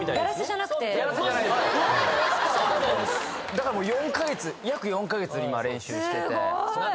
だからもう４か月約４か月今練習しててすごーい！